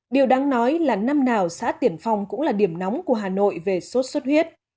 điều đáng nói là năm nào xã tiển phong cũng là điểm nóng của hà nội về sốt xuất huyết